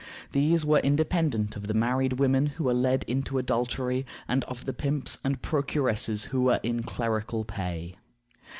These were independent of the married women who were led into adultery, and of the pimps and procuresses who were in clerical pay.